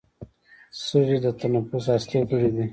سږي د تنفس اصلي غړي دي